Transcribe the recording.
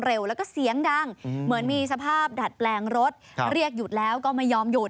เรียกหยุดแล้วก็ไม่ยอมหยุด